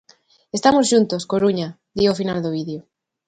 "Estamos xuntos, Coruña", di ao final do vídeo.